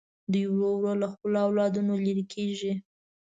دوی ورو ورو له خپلو اولادونو لرې کېږي.